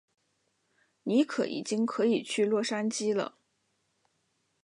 尼可已经可以去洛杉矶了。